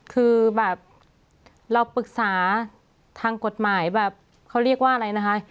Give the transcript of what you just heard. คือแบบเราปรึกษาทางกฎหมายแบบเขาเรียกว่าอะไรนะคะ